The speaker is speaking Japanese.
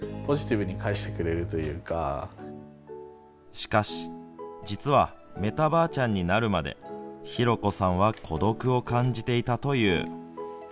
しかし、実はメタばあちゃんになるまでひろこさんは孤独を感じていたという。